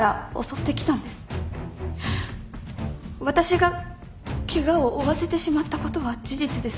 私がケガを負わせてしまったことは事実です。